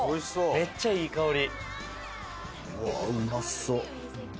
めっちゃいい香り！